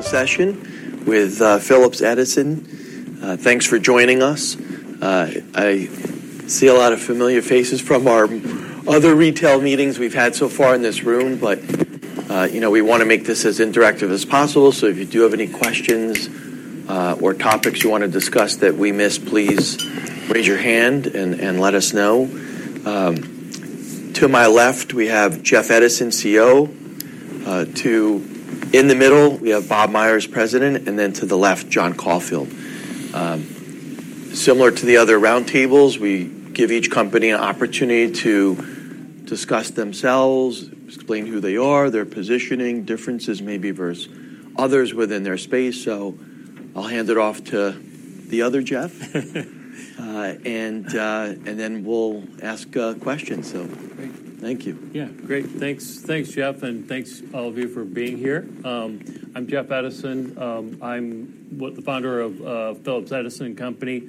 Session with Phillips Edison. Thanks for joining us. I see a lot of familiar faces from our other retail meetings we've had so far in this room, but you know, we wanna make this as interactive as possible. So if you do have any questions or topics you wanna discuss that we missed, please raise your hand and let us know. To my left, we have Jeff Edison, CEO. In the middle, we have Bob Myers, President, and then to the left, John Caulfield. Similar to the other roundtables, we give each company an opportunity to discuss themselves, explain who they are, their positioning, differences maybe versus others within their space. So I'll hand it off to the other Jeff, and then we'll ask questions. Great. Thank you. Yeah, great. Thanks. Thanks, Jeff, and thanks all of you for being here. I'm Jeff Edison. I'm the founder of Phillips Edison and Company.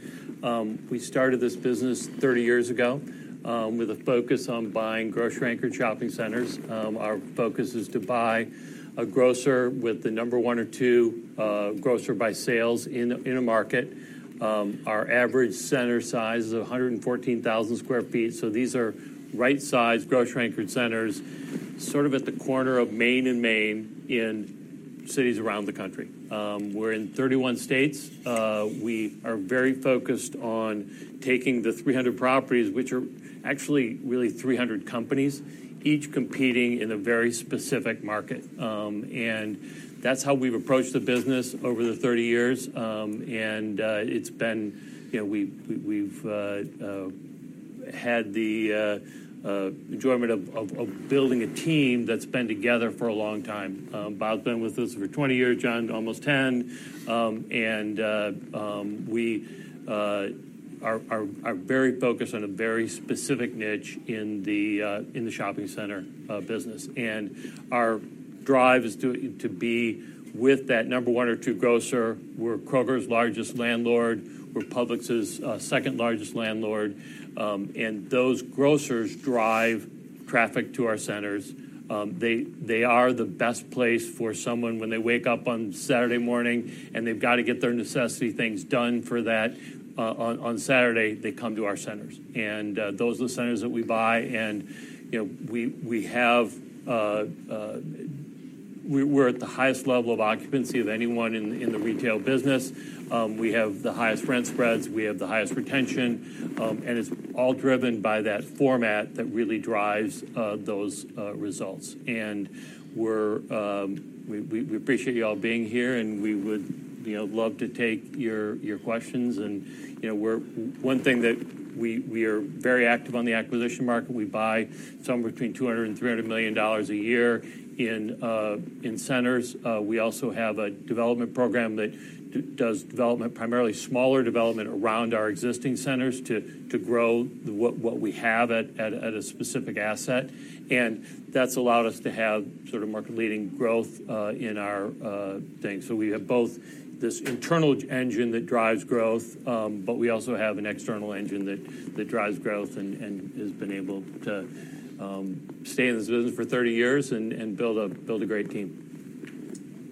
We started this business 30 years ago with a focus on buying grocery-anchored shopping centers. Our focus is to buy a grocer with the number one or two grocer by sales in a market. Our average center size is 114,000 sq ft, so these are right-sized grocery-anchored centers, sort of at the corner of Main and Main in cities around the country. We're in 31 states. We are very focused on taking the 300 properties, which are actually really 300 companies, each competing in a very specific market, and that's how we've approached the business over the 30 years, and it's been... You know, we've had the enjoyment of building a team that's been together for a long time. Bob's been with us for twenty years, John, almost ten. And we are very focused on a very specific niche in the shopping center business. And our drive is to be with that number one or two grocer. We're Kroger's largest landlord. We're Publix's second-largest landlord. And those grocers drive traffic to our centers. They are the best place for someone when they wake up on Saturday morning, and they've got to get their necessity things done for that on Saturday, they come to our centers. And those are the centers that we buy, and you know, we have... We're at the highest level of occupancy of anyone in the retail business. We have the highest rent spreads, we have the highest retention, and it's all driven by that format that really drives those results. And we're. We appreciate you all being here, and we would, you know, love to take your questions. And, you know, we're. One thing that we are very active on the acquisition market. We buy somewhere between $200 million and $300 million a year in centers. We also have a development program that does development, primarily smaller development, around our existing centers to grow what we have at a specific asset. And that's allowed us to have sort of market-leading growth in our thing. So we have both this internal engine that drives growth, but we also have an external engine that drives growth and has been able to stay in this business for 30 years and build a great team.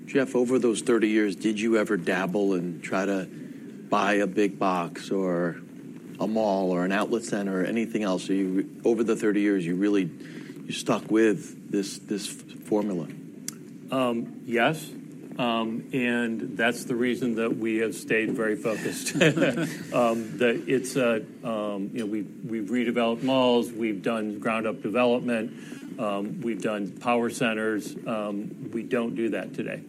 Jeff, over those 30 years, did you ever dabble and try to buy a big box or a mall or an outlet center or anything else? Over the 30 years, you really stuck with this formula. Yes, and that's the reason that we have stayed very focused. It's, you know, we've redeveloped malls, we've done ground-up development, we've done power centers. We don't do that today,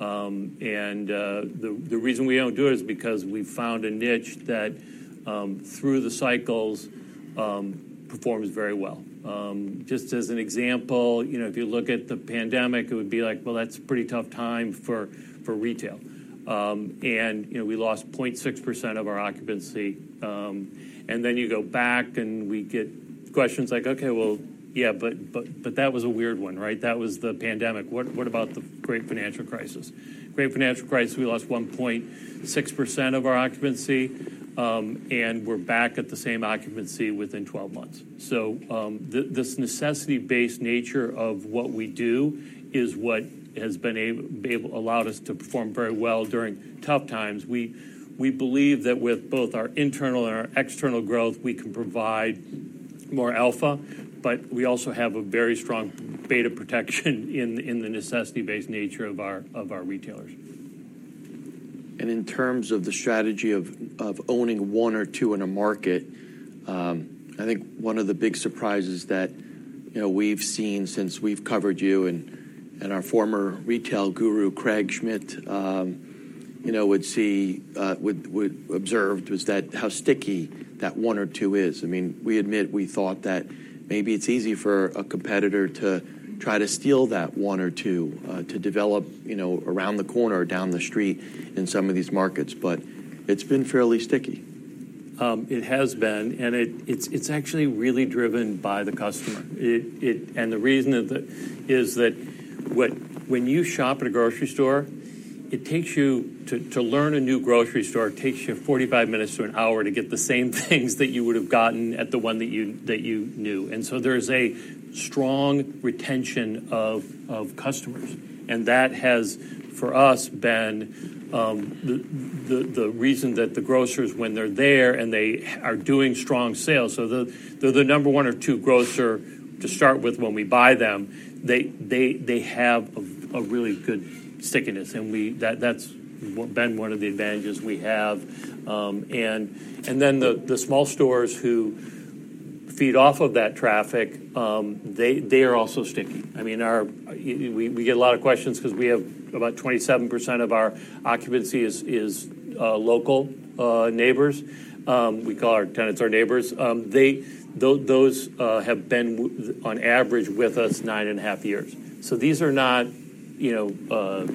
and the reason we don't do it is because we've found a niche that through the cycles performs very well. Just as an example, you know, if you look at the pandemic, it would be like, well, that's a pretty tough time for retail, and you know, we lost 0.6% of our occupancy, and then you go back, and we get questions like: Okay, well, yeah, but that was a weird one, right? That was the pandemic. What about the Great Financial Crisis? Great Financial Crisis, we lost 1.6% of our occupancy, and we're back at the same occupancy within twelve months. So, this necessity-based nature of what we do is what has allowed us to perform very well during tough times. We believe that with both our internal and our external growth, we can provide more alpha, but we also have a very strong beta protection in the necessity-based nature of our retailers. And in terms of the strategy of owning one or two in a market, I think one of the big surprises that, you know, we've seen since we've covered you and our former retail guru, Craig Schmidt, you know, observed, was that how sticky that one or two is. I mean, we admit, we thought that maybe it's easy for a competitor to try to steal that one or two, to develop, you know, around the corner or down the street in some of these markets, but it's been fairly sticky. It has been, and it's actually really driven by the customer. And the reason is that when you shop at a grocery store, it takes you to learn a new grocery store. It takes you 45 minutes to an hour to get the same things that you would have gotten at the one that you knew. And so there is a strong retention of customers, and that has, for us, been the reason that the grocers, when they're there, and they are doing strong sales. So they're the number one or two grocer to start with when we buy them. They have a really good stickiness, and that's been one of the advantages we have. And then the small stores who feed off of that traffic, they are also sticky. I mean, we get a lot of questions 'cause we have about 27% of our occupancy is local neighbors. We call our tenants our neighbors. Those have been on average with us nine and a half years. So these are not, you know,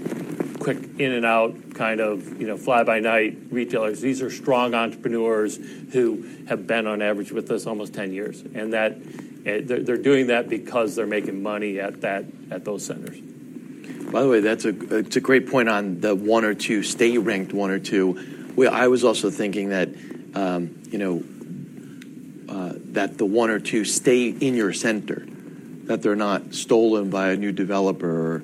quick in-and-out, kind of, you know, fly-by-night retailers. These are strong entrepreneurs who have been, on average, with us almost 10 years, and that they're doing that because they're making money at those centers. By the way, that's a great point on the one or two stay ranked one or two. Well, I was also thinking that, you know, that the one or two stay in your center, that they're not stolen by a new developer or,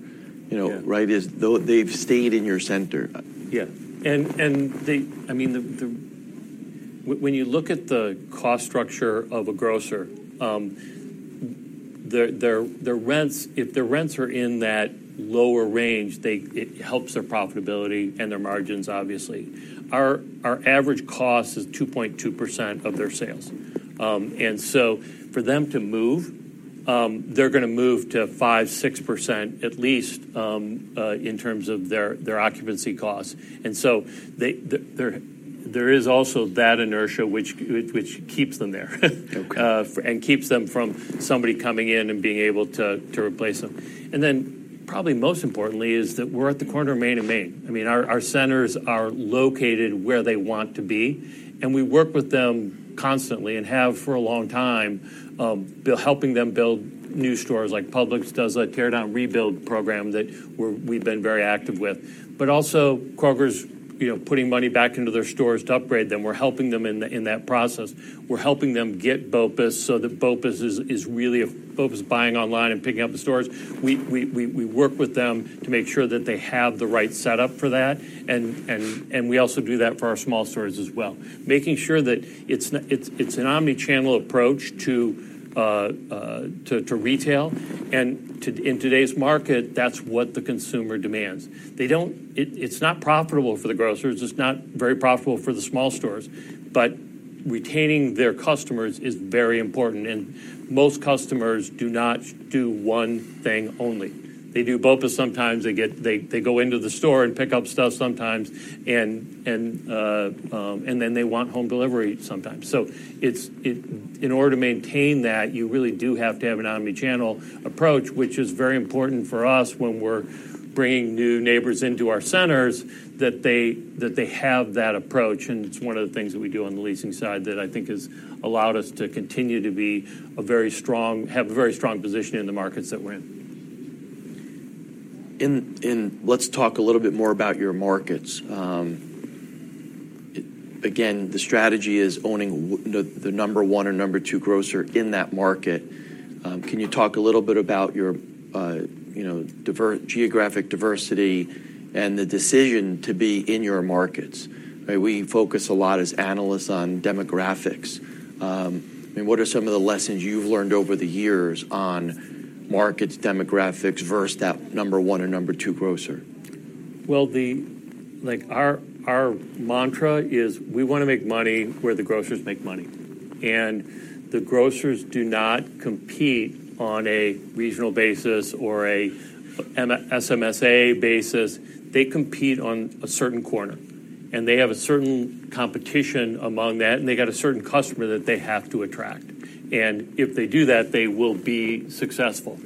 you know- Yeah. they've stayed in your center. Yeah, and they. I mean, when you look at the cost structure of a grocer, their rents, if their rents are in that lower range, it helps their profitability and their margins, obviously. Our average cost is 2.2% of their sales. And so for them to move, they're gonna move to 5% to 6% at least in terms of their occupancy costs. And so there is also that inertia which keeps them there. Okay. And keeps them from somebody coming in and being able to replace them. And then, probably most importantly, is that we're at the corner of Main and Main. I mean, our centers are located where they want to be, and we work with them constantly, and have for a long time, helping them build new stores, like Publix does a tear down, rebuild program that we've been very active with. But also, Kroger's, you know, putting money back into their stores to upgrade them. We're helping them in that process. We're helping them get BOPUS, so that BOPUS is really a BOPUS is buying online and picking up in stores. We work with them to make sure that they have the right setup for that, and we also do that for our small stores as well. Making sure that it's an omni-channel approach to retail, and in today's market, that's what the consumer demands. They don't. It's not profitable for the grocers. It's not very profitable for the small stores, but retaining their customers is very important, and most customers do not do one thing only. They do BOPUS sometimes, they go into the store and pick up stuff sometimes, and then they want home delivery sometimes. So it's in order to maintain that, you really do have to have an omni-channel approach, which is very important for us when we're bringing new neighbors into our centers, that they have that approach. And it's one of the things that we do on the leasing side that I think has allowed us to continue to have a very strong position in the markets that we're in. Let's talk a little bit more about your markets. Again, the strategy is owning the number one or number two grocer in that market. Can you talk a little bit about your, you know, diverse geographic diversity and the decision to be in your markets? We focus a lot as analysts on demographics. I mean, what are some of the lessons you've learned over the years on markets, demographics, versus that number one or number two grocer? Like, our mantra is, we wanna make money where the grocers make money, and the grocers do not compete on a regional basis or a SMSA basis. They compete on a certain corner, and they have a certain competition among that, and they got a certain customer that they have to attract. And if they do that, they will be successful.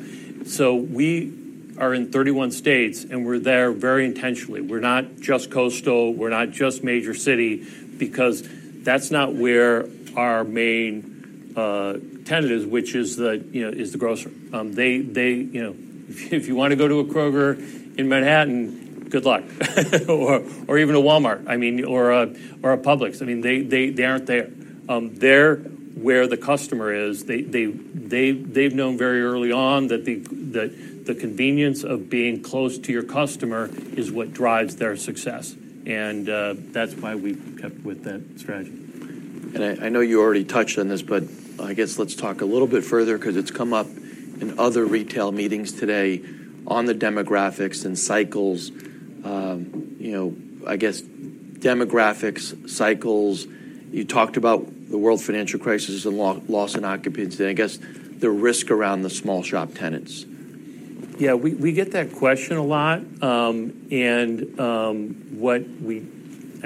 We are in thirty-one states, and we're there very intentionally. We're not just coastal, we're not just major city, because that's not where our main tenant is, which is the, you know, is the grocer. They, you know, if you want to go to a Kroger in Manhattan, good luck. Or even a Walmart, I mean, or a Publix. I mean, they aren't there. They're where the customer is. They've known very early on that the convenience of being close to your customer is what drives their success, and that's why we've kept with that strategy. I know you already touched on this, but I guess let's talk a little bit further, 'cause it's come up in other retail meetings today, on the demographics and cycles. You know, I guess demographics, cycles, you talked about the world financial crisis and loss in occupancy, and I guess, the risk around the small shop tenants. Yeah, we get that question a lot, and, I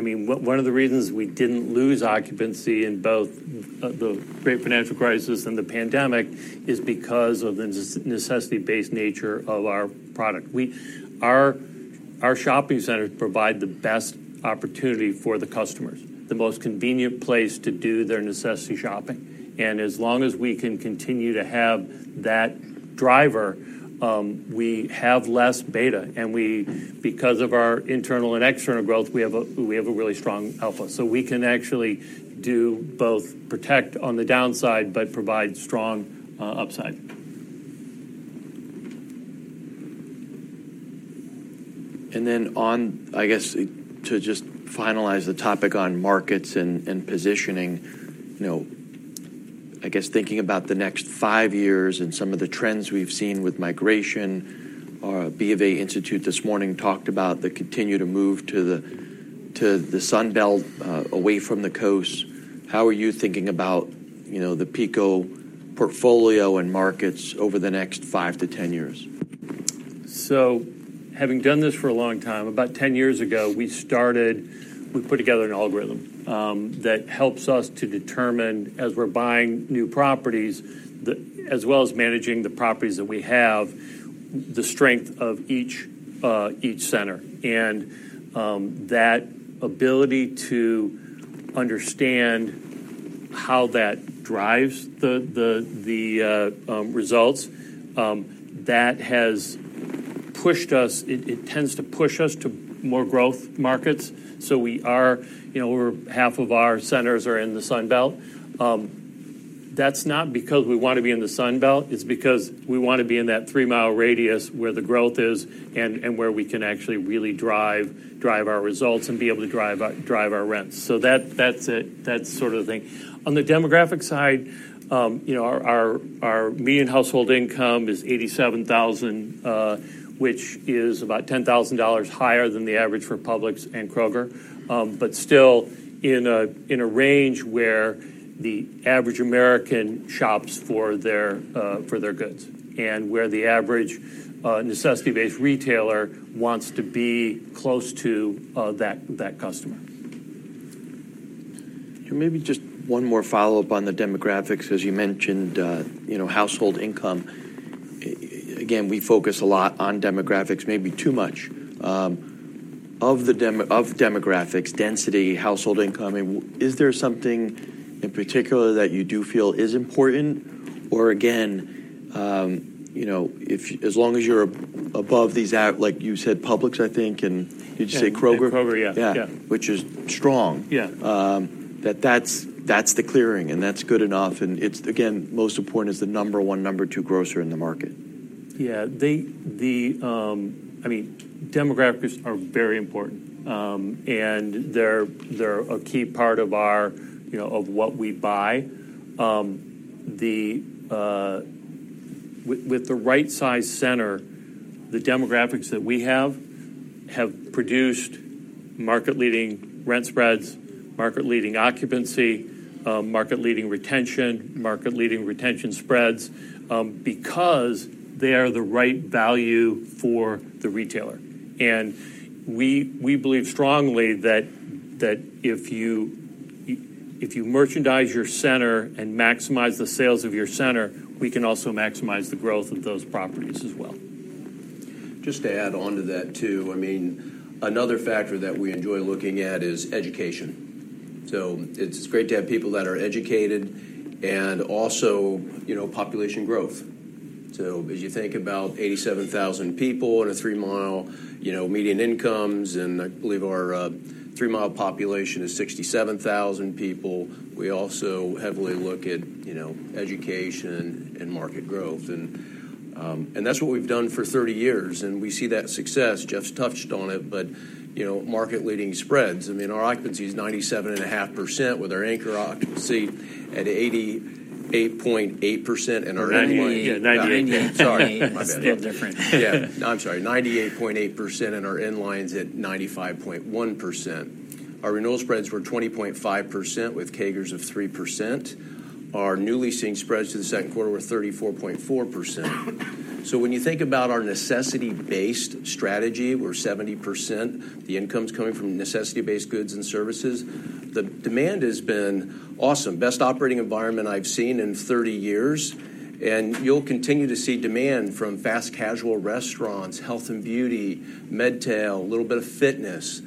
mean, one of the reasons we didn't lose occupancy in both the great financial crisis and the pandemic is because of the necessity-based nature of our product. Our shopping centers provide the best opportunity for the customers, the most convenient place to do their necessity shopping. And as long as we can continue to have that driver, we have less beta, and we, because of our internal and external growth, we have a really strong alpha. So we can actually do both, protect on the downside, but provide strong upside. And then on, I guess, to just finalize the topic on markets and positioning, you know, I guess thinking about the next five years and some of the trends we've seen with migration, our B of A Institute this morning talked about the continued move to the Sun Belt away from the coast. How are you thinking about, you know, the PECO portfolio and markets over the next five to ten years? Having done this for a long time, about ten years ago, we put together an algorithm that helps us to determine, as we're buying new properties, as well as managing the properties that we have, the strength of each center. That ability to understand how that drives the results that has pushed us. It tends to push us to more growth markets. So we are, you know, over half of our centers are in the Sun Belt. That's not because we want to be in the Sun Belt, it's because we want to be in that three-mile radius where the growth is and where we can actually really drive our results and be able to drive our rents. So that, that's it. That's sort of the thing. On the demographic side, you know, our median household income is $87,000, which is about $10,000 higher than the average for Publix and Kroger, but still in a range where the average American shops for their goods, and where the average necessity-based retailer wants to be close to that customer. And maybe just one more follow-up on the demographics. As you mentioned, you know, household income. Again, we focus a lot on demographics, maybe too much. Of demographics, density, household income, I mean, is there something in particular that you do feel is important? Or again, you know, as long as you're above these out, like you said, Publix, I think, and did you say Kroger? Kroger, yeah. Yeah. Yeah. Which is strong. Yeah. That's the clearing, and that's good enough, and it's again most important is the number one, number two grocer in the market. Yeah, I mean, demographics are very important, and they're a key part of our, you know, of what we buy. With the right-size center, the demographics that we have have produced market-leading rent spreads, market-leading occupancy, market-leading retention, market-leading retention spreads, because they are the right value for the retailer. And we believe strongly that if you merchandise your center and maximize the sales of your center, we can also maximize the growth of those properties as well. Just to add on to that, too, I mean, another factor that we enjoy looking at is education. So it's great to have people that are educated and also, you know, population growth. So as you think about 87,000 people in a 3-mile, you know, median incomes, and I believe our three-mile population is 67,000 people, we also heavily look at, you know, education and market growth. And that's what we've done for 30 years, and we see that success. Jeff's touched on it, but, you know, market-leading spreads, I mean, our occupancy is 97.5%, with our anchor occupancy at 88.8% and our- Ninety-eight. Yeah, 98. Sorry. My bad. It's a little different. Yeah. No, I'm sorry, 98.8% and our in-line's at 95.1%. Our renewal spreads were 20.5%, with CAGRs of 3%. Our new leasing spreads for the second quarter were 34.4%. So when you think about our necessity-based strategy, we're 70%, the income's coming from necessity-based goods and services. The demand has been awesome. Best operating environment I've seen in thirty years, and you'll continue to see demand from fast casual restaurants, health and beauty, Medtail, a little bit of fitness, as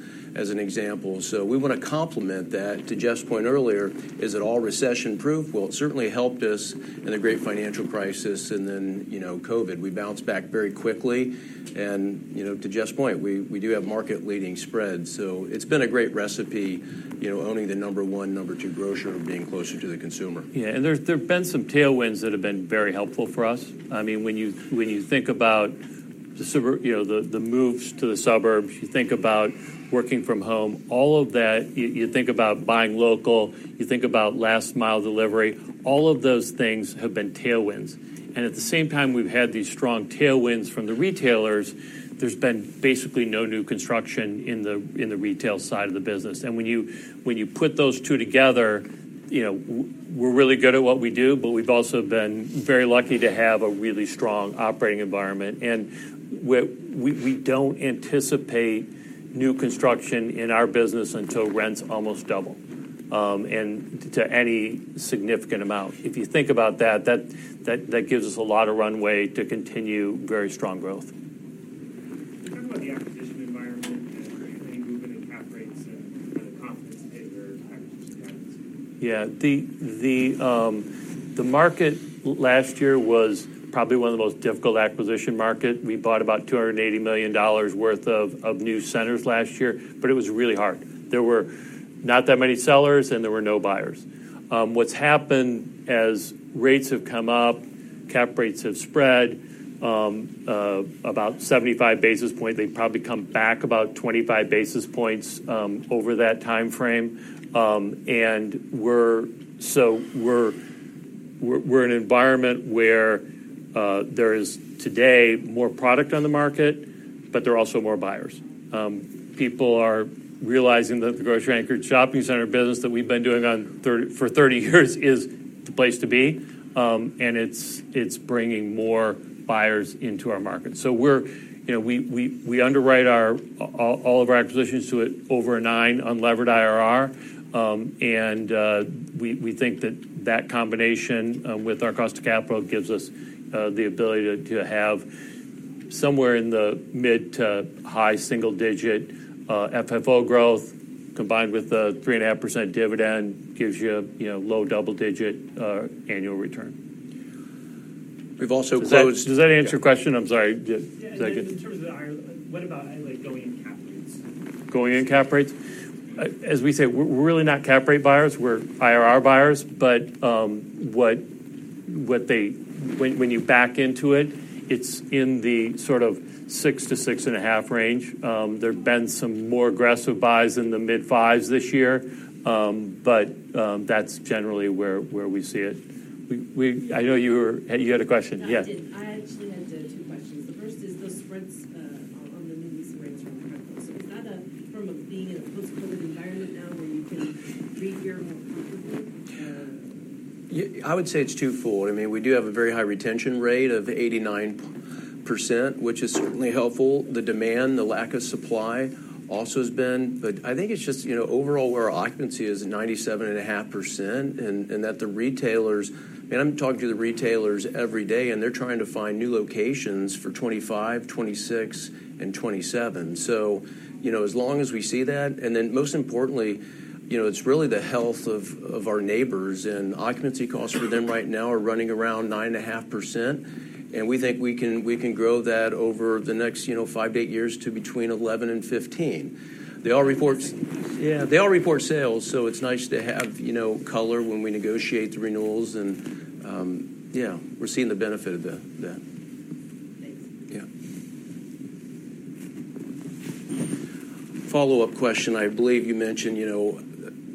an example. So we want to complement that. To Jeff's point earlier, is it all recession-proof? It certainly helped us in the Great Financial Crisis and then, you know, COVID, we bounced back very quickly and, you know, to Jeff's point, we do have market-leading spreads, so it's been a great recipe, you know, owning the number one, number two grocer, and being closer to the consumer. Yeah, and there have been some tailwinds that have been very helpful for us. I mean, when you think about the suburbs, you know, the moves to the suburbs, you think about working from home, all of that, you think about buying local, you think about last-mile delivery, all of those things have been tailwinds. And at the same time, we've had these strong tailwinds from the retailers. There's been basically no new construction in the retail side of the business. And when you put those two together, you know, we're really good at what we do, but we've also been very lucky to have a really strong operating environment. And we don't anticipate new construction in our business until rents almost double and to any significant amount. If you think about that, that gives us a lot of runway to continue very strong growth. Can you talk about the acquisition environment and any movement in cap rates and the confidence in where acquisitions are going? Yeah. The market last year was probably one of the most difficult acquisition markets. We bought about $280 million worth of new centers last year, but it was really hard. There were not that many sellers, and there were no buyers. What's happened as rates have come up, cap rates have spread about 75 basis points. They've probably come back about 25 basis points over that timeframe, and we're in an environment where there is today more product on the market, but there are also more buyers. People are realizing that the grocery-anchored shopping center business that we've been doing for thirty years is the place to be, and it's bringing more buyers into our market. So we're, you know, underwrite all of our acquisitions to over a nine unlevered IRR, and we think that combination with our cost of capital gives us the ability to have somewhere in the mid- to high single-digit FFO growth, combined with a 3.5% dividend, gives you, you know, low double-digit annual return. We've also closed- Does that, does that answer your question? I'm sorry. Just second. Yeah, in terms of the IRR, what about, like, going in cap rates? Going in cap rates? As we say, we're really not cap rate buyers, we're IRR buyers, but when you back into it, it's in the sort of six to six and a half range. There have been some more aggressive buys in the mid-fives this year, but that's generally where we see it. I know you were. You had a question. Yeah. I did. I actually had two questions. The first is, those rents on the new lease rates, is that a form of being in a post-COVID environment now, where you can re-gear more comfortably...? I would say it's two-fold. I mean, we do have a very high retention rate of 89%, which is certainly helpful. The demand, the lack of supply, also has been... But I think it's just, you know, overall, our occupancy is 97.5%, and, and that the retailers, and I'm talking to the retailers every day, and they're trying to find new locations for 2025, 2026 and 2027. So, you know, as long as we see that, and then, most importantly, you know, it's really the health of, of our neighbors, and occupancy costs for them right now are running around 9.5%, and we think we can, we can grow that over the next, you know, five to eight years to between 11% and 15%. They all report sales, yeah, so it's nice to have, you know, color when we negotiate the renewals and, yeah, we're seeing the benefit of that. Thanks. Yeah. Follow-up question. I believe you mentioned, you know,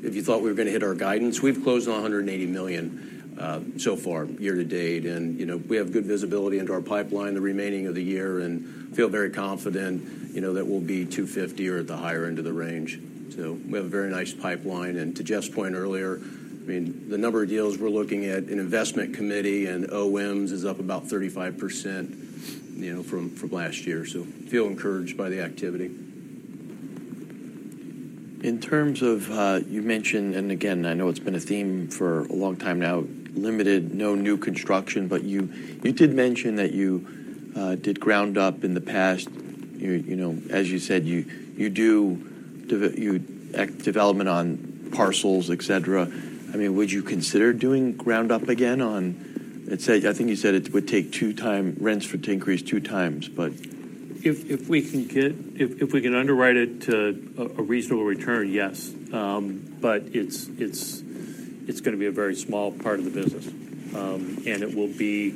if you thought we were gonna hit our guidance. We've closed on $180 million so far year to date, and, you know, we have good visibility into our pipeline the remaining of the year, and feel very confident, you know, that we'll be $250 or at the higher end of the range. So we have a very nice pipeline. And to Jeff's point earlier, I mean, the number of deals we're looking at in investment committee and OMs is up about 35% you know, from last year, so feel encouraged by the activity. In terms of, you mentioned, and again, I know it's been a theme for a long time now, limited, no new construction, but you did mention that you did ground up in the past. You know, as you said, you do development on parcels, et cetera. I mean, would you consider doing ground up again on... I'd say, I think you said it would take two times rents for to increase two times, but- If we can underwrite it to a reasonable return, yes, but it's gonna be a very small part of the business, and it will be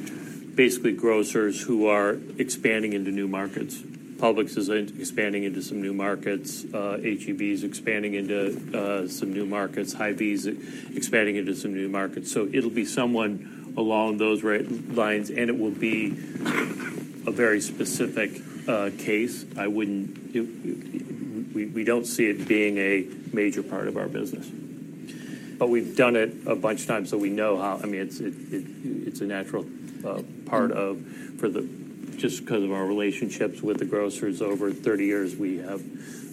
basically grocers who are expanding into new markets. Publix is expanding into some new markets. H-E-B is expanding into some new markets. Hy-Vee is expanding into some new markets, so it'll be someone along those right lines, and it will be a very specific case. We don't see it being a major part of our business, but we've done it a bunch of times, so we know how. I mean, it's a natural part of just 'cause of our relationships with the grocers over thirty years, we have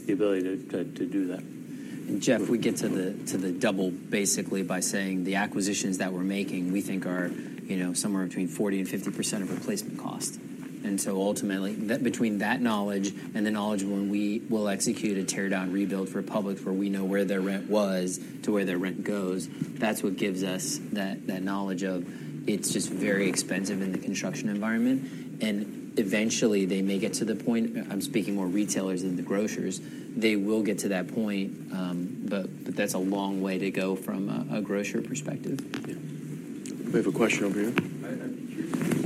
the ability to do that. Jeff, we get to the double, basically, by saying the acquisitions that we're making, we think are, you know, somewhere between 40% and 50% of replacement cost. And so ultimately, that between that knowledge and the knowledge of when we will execute a tear-down, rebuild for Publix, where we know their rent was to where their rent goes, that's what gives us that knowledge of it's just very expensive in the construction environment. And eventually, they may get to the point, I'm speaking more retailers than the grocers, they will get to that point, but that's a long way to go from a grocer perspective. Yeah. We have a question over here. I'm curious to understand, your teams are looking at capital as a percentage of NOI. What are you seeing in the portfolio?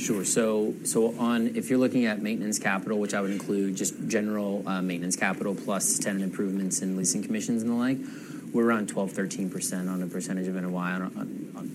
Sure. So if you're looking at maintenance capital, which I would include just general maintenance capital, plus tenant improvements and leasing commissions, and the like, we're around 12 to 13% on a percentage of NOI on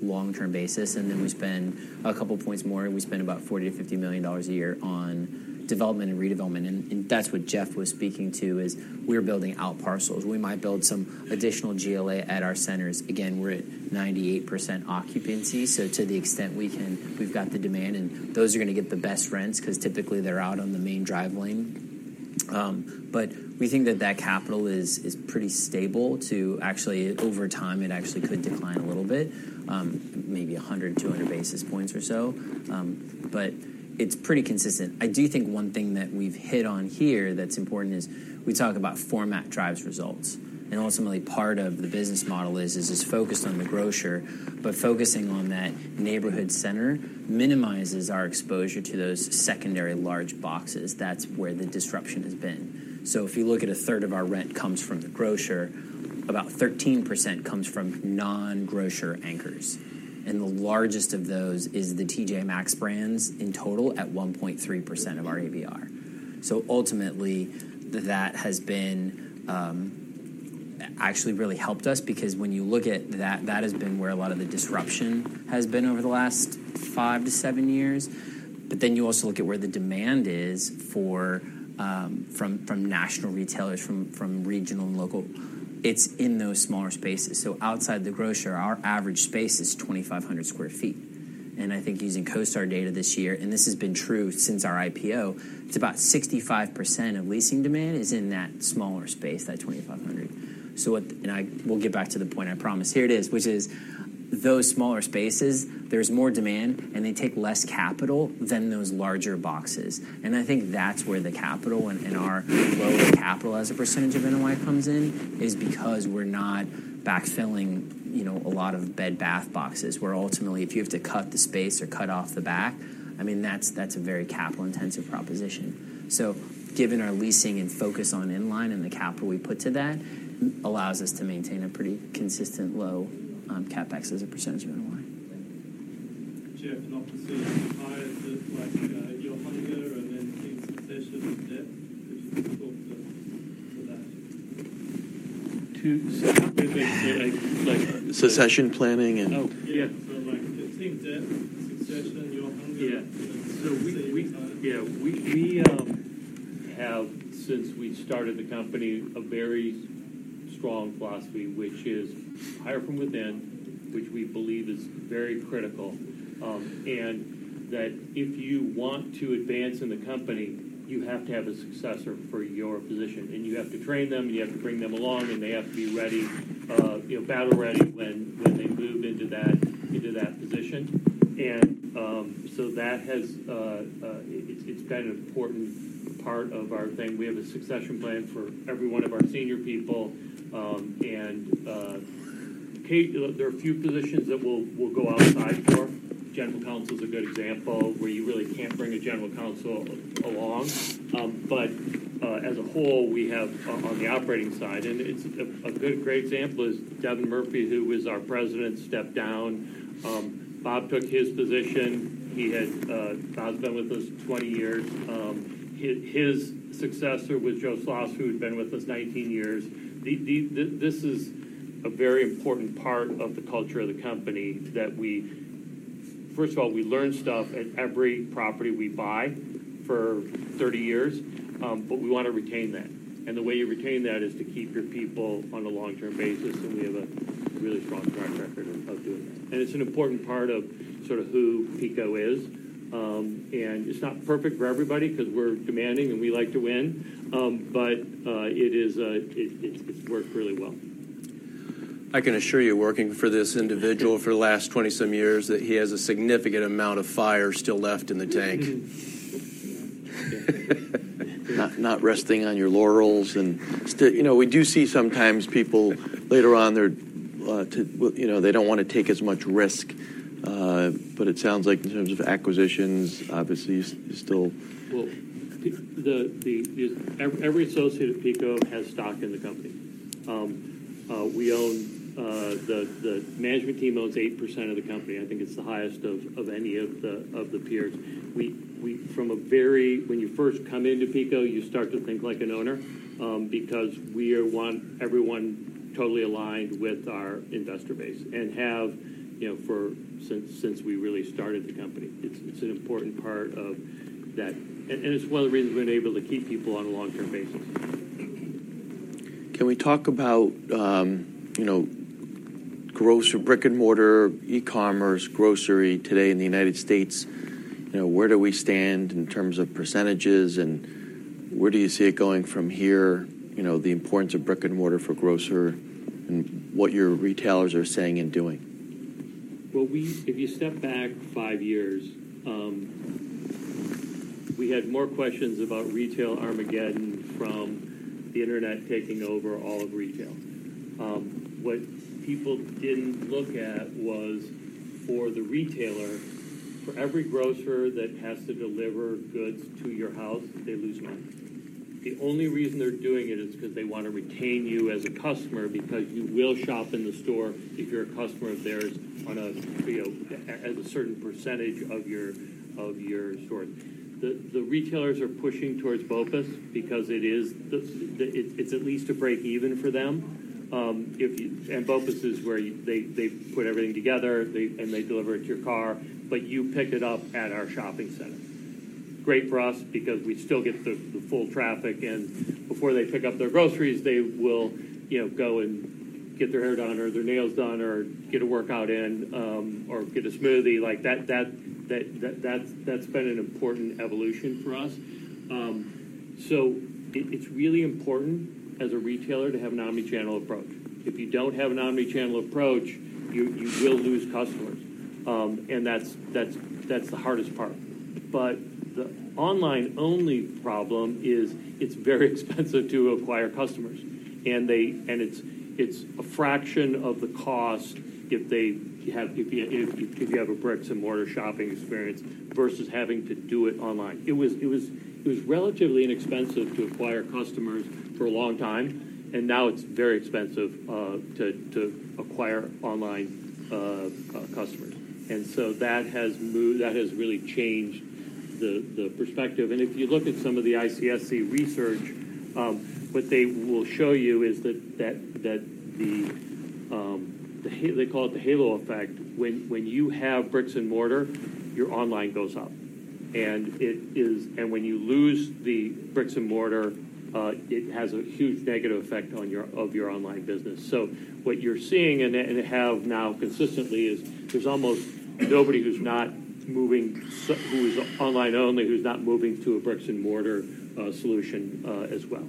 a long-term basis, and then we spend a couple points more, and we spend about $40 to $50 million a year on development and redevelopment. That's what Jeff was speaking to, is we're building out parcels. We might build some additional GLA at our centers. Again, we're at 98% occupancy, so to the extent we can, we've got the demand, and those are gonna get the best rents, 'cause typically, they're out on the main drive lane. But we think that capital is pretty stable. Actually, over time, it actually could decline a little bit, maybe 100 to 200 basis points or so. But it's pretty consistent. I do think one thing that we've hit on here that's important is we talk about format drives results, and ultimately, part of the business model is it's focused on the grocer. But focusing on that neighborhood center minimizes our exposure to those secondary large boxes. That's where the disruption has been. So if you look at a third of our rent comes from the grocer, about 13% comes from non-grocer anchors, and the largest of those is the TJ Maxx brands in total, at 1.3% of our ABR. So ultimately, that has been. Actually really helped us because when you look at that, that has been where a lot of the disruption has been over the last five to seven years. But then you also look at where the demand is for from national retailers, from regional and local. It's in those smaller spaces. So outside the grocer, our average space is 2,500 sq ft, and I think using CoStar data this year, and this has been true since our IPO, it's about 65% of leasing demand is in that smaller space, that 2,500. So and I, we'll get back to the point, I promise. Here it is, which is those smaller spaces. There's more demand, and they take less capital than those larger boxes, and I think that's where the capital and our lower capital as a percentage of NOI comes in, is because we're not backfilling, you know, a lot of Bed Bath boxes, where ultimately, if you have to cut the space or cut off the back, I mean, that's a very capital-intensive proposition, so given our leasing and focus on inline and the capital we put to that, allows us to maintain a pretty consistent low CapEx as a percentage of NOI. Jeff, and obviously, your hunger and then succession and debt, could you talk to that? To- Like, like- Succession planning and- Oh, yeah. Yeah. So, like, it seems that succession, your hunger- Yeah. And- We have, since we started the company, a very strong philosophy, which is hire from within, which we believe is very critical, and that if you want to advance in the company, you have to have a successor for your position, and you have to train them, you have to bring them along, and they have to be ready, you know, battle-ready when they move into that position, and so that has been an important part of our thing. We have a succession plan for every one of our senior people, and there are a few positions that we'll go outside for. General counsel is a good example, where you really can't bring a general counsel along. But as a whole, we have on the operating side, and it's a good great example is Devin Murphy, who is our president, stepped down. Bob took his position. Bob's been with us 20 years. His successor was Joe Sloss, who had been with us 19 years. This is a very important part of the culture of the company, that we first of all we learn stuff at every property we buy for 30 years, but we want to retain that. And the way you retain that is to keep your people on a long-term basis, and we have a really strong track record of doing that. And it's an important part of sort of who PECO is. And it's not perfect for everybody, 'cause we're demanding, and we like to win, but it, it's worked really well. I can assure you, working for this individual for the last twenty-some years, that he has a significant amount of fire still left in the tank. Not resting on your laurels and still. You know, we do see sometimes people, later on, they're too, well, you know, they don't want to take as much risk, but it sounds like in terms of acquisitions, obviously, you're still. Well, every associate at PECO has stock in the company. We own, the management team owns 8% of the company. I think it's the highest of any of the peers. When you first come into PECO, you start to think like an owner, because we want everyone totally aligned with our investor base and have, you know, since we really started the company. It's an important part of that, and it's one of the reasons we've been able to keep people on a long-term basis. Can we talk about, you know, grocer, brick-and-mortar, e-commerce, grocery today in the United States? You know, where do we stand in terms of percentages, and where do you see it going from here? You know, the importance of brick-and-mortar for grocer and what your retailers are saying and doing. If you step back five years, we had more questions about retail armageddon from the internet taking over all of retail. What people didn't look at was for the retailer, for every grocer that has to deliver goods to your house, they lose money. The only reason they're doing it is because they want to retain you as a customer, because you will shop in the store if you're a customer of theirs on a, you know, as a certain percentage of your, of your sort. The retailers are pushing towards BOPUS because it is the. It's at least a break-even for them. If you and BOPUS is where you they put everything together, they, and they deliver it to your car, but you pick it up at our shopping center... great for us because we still get the full traffic, and before they pick up their groceries, they will, you know, go and get their hair done or their nails done or get a workout in, or get a smoothie. Like, that's been an important evolution for us. So it's really important as a retailer to have an Omni-channel approach. If you don't have an Omni-channel approach, you will lose customers, and that's the hardest part. But the online-only problem is it's very expensive to acquire customers, and it's a fraction of the cost if you have a bricks-and-mortar shopping experience versus having to do it online. It was relatively inexpensive to acquire customers for a long time, and now it's very expensive to acquire online customers, and so that has moved-- that has really changed the perspective. If you look at some of the ICSC research, what they will show you is that the halo effect. When you have bricks and mortar, your online goes up, and when you lose the bricks and mortar, it has a huge negative effect on your online business. So what you're seeing and have now consistently is there's almost nobody who is online only who is not moving to a bricks-and-mortar solution as well.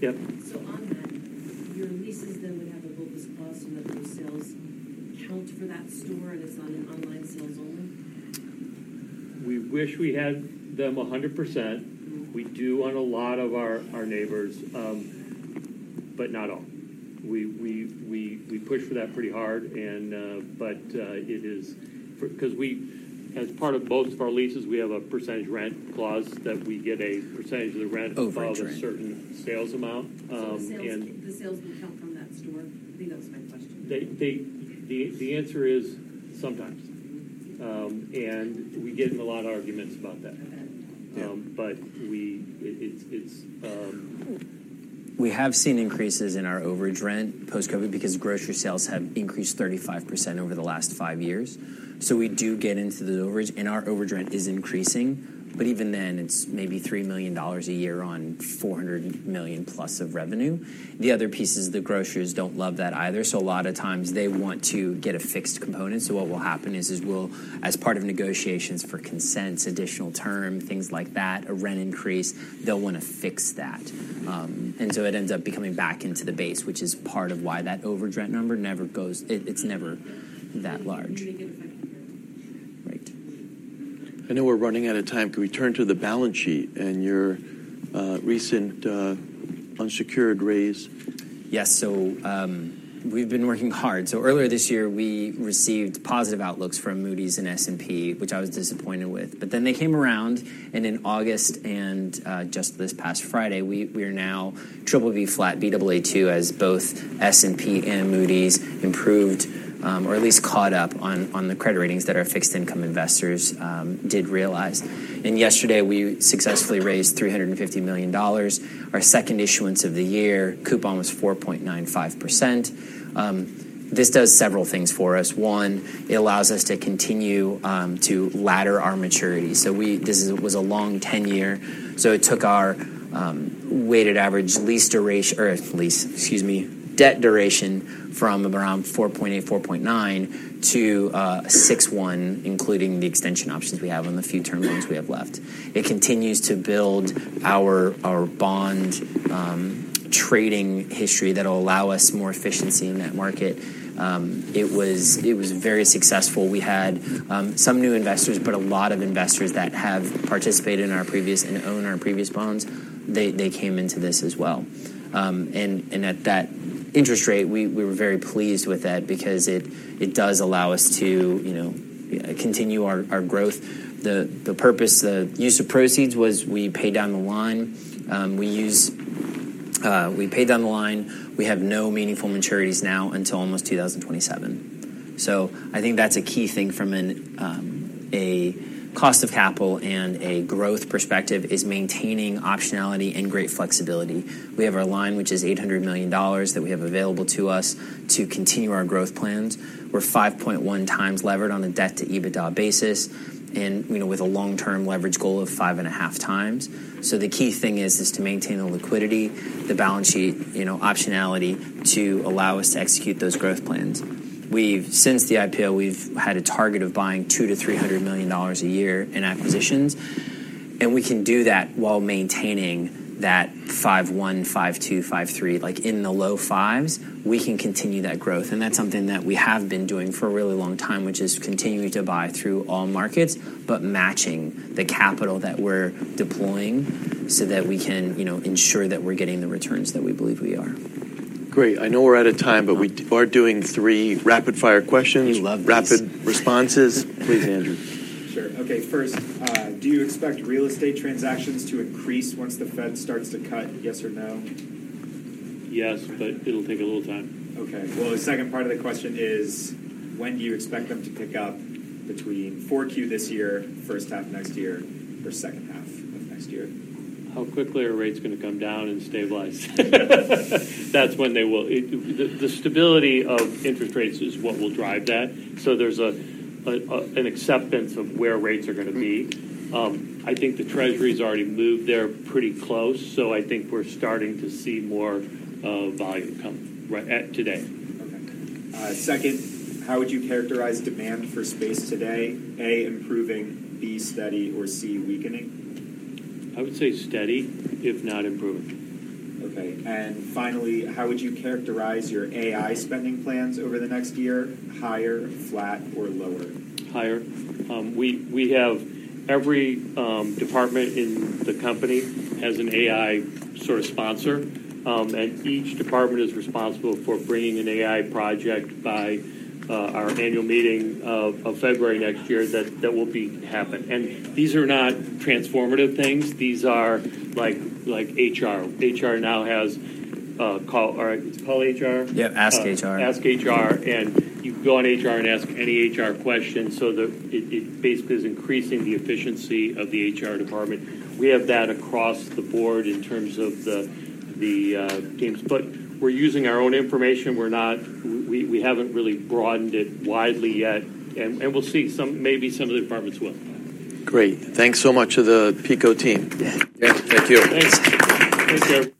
Yep? So on that, your leases then would have a bonus clause that the sales count for that store, and it's on an online sales only? We wish we had them 100%. We do on a lot of our neighbors, but not all. We push for that pretty hard, and but, it is 'cause we, as part of most of our leases, we have a percentage rent clause, that we get a percentage of the rent- Oh, right... above a certain sales amount, and- So the sales, the sales would count from that store? I think that was my question. The answer is sometimes. Mm-hmm. And we get in a lot of arguments about that. Okay. But we, it, it's We have seen increases in our overage rent post-COVID because grocery sales have increased 35% over the last five years, so we do get into the overage, and our overage rent is increasing. But even then, it's maybe $3 million a year on $400 million-plus of revenue. The other piece is the grocers don't love that either, so a lot of times they want to get a fixed component. So what will happen is we'll, as part of negotiations for consents, additional term, things like that, a rent increase, they'll want to fix that. And so it ends up becoming back into the base, which is part of why that overage rent number never goes... It's never that large. A negative effect. Right. I know we're running out of time. Can we turn to the balance sheet and your recent unsecured raise? Yes, so we've been working hard. So earlier this year, we received positive outlooks from Moody's and S&P, which I was disappointed with, but then they came around, and in August and just this past Friday, we are now triple B flat, Baa2, as both S&P and Moody's improved or at least caught up on the credit ratings that our fixed income investors did realize. And yesterday, we successfully raised $350 million. Our second issuance of the year, coupon was 4.95%. This does several things for us. One, it allows us to continue to ladder our maturity. So this was a long 10 year, so it took our weighted average debt duration from around four point eight, four point nine to six one, including the extension options we have on the few term loans we have left. It continues to build our bond trading history that will allow us more efficiency in that market. It was very successful. We had some new investors, but a lot of investors that have participated in our previous and own our previous bonds, they came into this as well. And at that interest rate, we were very pleased with that because it does allow us to, you know, continue our growth. The purpose, the use of proceeds was we paid down the line. We use... We paid down the line. We have no meaningful maturities now until almost 2027. So I think that's a key thing from an, a cost of capital and a growth perspective, is maintaining optionality and great flexibility. We have our line, which is $800 million, that we have available to us to continue our growth plans. We're 5.1 times levered on a debt-to-EBITDA basis, and, you know, with a long-term leverage goal of 5.5 times. So the key thing is, is to maintain the liquidity, the balance sheet, you know, optionality, to allow us to execute those growth plans. We've Since the IPO, we've had a target of buying $200 million to $300 million a year in acquisitions, and we can do that while maintaining that 5.1, 5.2, 5.3. Like, in the low fives, we can continue that growth, and that's something that we have been doing for a really long time, which is continuing to buy through all markets, but matching the capital that we're deploying so that we can, you know, ensure that we're getting the returns that we believe we are. Great. I know we're out of time, but we are doing three rapid-fire questions. We love these. Rapid responses. Please, Andrew. Sure. Okay, first, do you expect real estate transactions to increase once the Fed starts to cut, yes or no? Yes, but it'll take a little time. Okay. Well, the second part of the question is: when do you expect them to pick up between 4Q this year, first half next year, or second half of next year? How quickly are rates gonna come down and stabilize? That's when they will. The stability of interest rates is what will drive that, so there's an acceptance of where rates are gonna be. Mm-hmm. I think the Treasury's already moved. They're pretty close, so I think we're starting to see more volume come right at today. Okay. Second, how would you characterize demand for space today? A, improving, B, steady, or C, weakening? I would say steady, if not improving. Okay, and finally, how would you characterize your AI spending plans over the next year: higher, flat, or lower? Higher. We have every department in the company has an AI sort of sponsor, and each department is responsible for bringing an AI project by our annual meeting of February next year, that will be happening. And these are not transformative things. These are like HR. HR now has Ask HR? Yeah, Ask HR. Ask HR, and you can go on HR and ask any HR questions, so it basically is increasing the efficiency of the HR department. We have that across the board in terms of the teams, but we're using our own information. We're not. We haven't really broadened it widely yet, and we'll see some, maybe some of the departments will. Great. Thanks so much to the PECO team. Yeah. Thank you. Thanks. Thank you.